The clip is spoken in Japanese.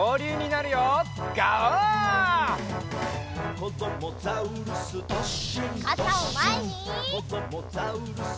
「こどもザウルス